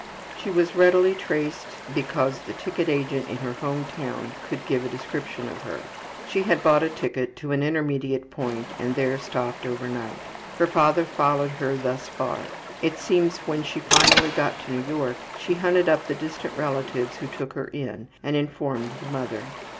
She was readily traced because the ticket agent in her home town could give a description of her. She had bought a ticket to an intermediate point and there stopped over night. Her father followed her thus far. It seems when she finally got to New York she hunted up the distant relatives who took her in and informed the mother.